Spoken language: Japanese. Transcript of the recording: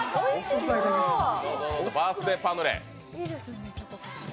バースデーパヌレ。